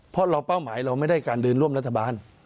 เพราะเราเป้าหมายเราไม่ได้การเดินร่วมรัฐบาล